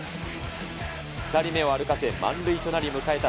２人目を歩かせ満塁となり迎えた